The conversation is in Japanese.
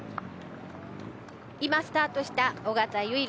今スタートした尾方唯莉。